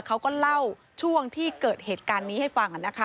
เขาก็เล่าช่วงที่เกิดเหตุการณ์นี้ให้ฟังนะคะ